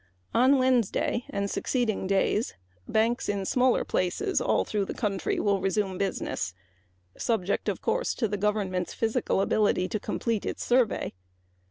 On Wednesday and succeeding days banks in smaller places all through the country will resume business, subject, of course, to the government's physical ability to complete its survey.